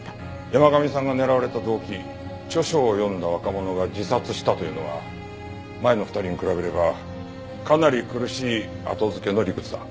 山神さんが狙われた動機「著書を読んだ若者が自殺した」というのは前の２人に比べればかなり苦しい後付けの理屈だ。